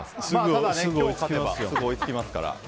ただ、今日勝てばすぐ追いつきますから。